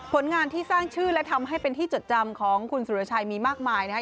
ผลงานที่สร้างชื่อและทำให้เป็นที่จดจำของคุณสุรชัยมีมากมายนะครับ